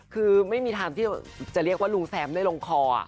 คือไม่มีทางที่จะเรียกว่าลุงแซมได้ลงคอ